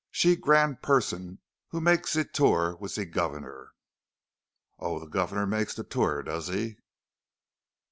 She grand person who make' ze tour with ze governor." "Oh, the governor makes the tour, does he?"